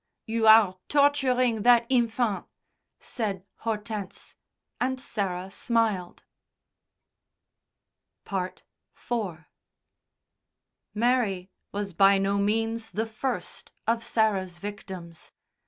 "You are torturing that infant," said Hortense, and Sarah smiled. IV Mary was by no means the first of Sarah's victim's.